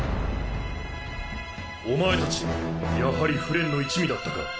お前たちやはりフレンの一味だったか。